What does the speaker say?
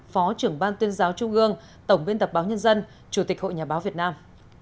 phó trưởng ban tuyên giáo trung ương tổng biên tập báo nhân dân chủ tịch hội nhà báo việt nam